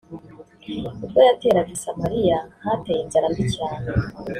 ubwo yateraga i Samariya hateye inzara mbi cyane